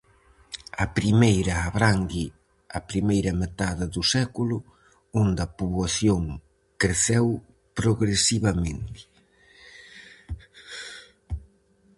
A primeira abrangue a primeira metade do século, onde a poboación creceu progresivamente.